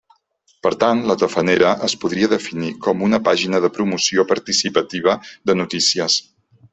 Per tant, la Tafanera es podria definir com una pàgina de promoció participativa de notícies.